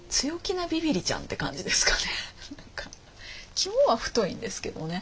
肝は太いんですけどね。